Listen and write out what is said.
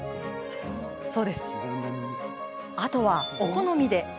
あとはお好みで。